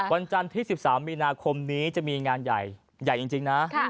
วันจันทร์ที่๑๓มีนาคมนี้จะมีงานใหญ่ใหญ่จริงนะ